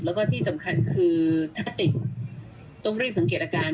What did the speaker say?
แล้วก็ที่สำคัญคือถ้าติดต้องรีบสังเกตอาการ